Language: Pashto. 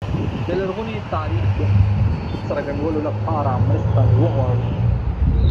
د لرغوني تاریخ د څرګندولو لپاره مرسته وغواړو.